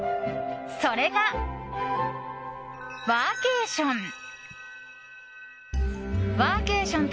それが、ワーケーション。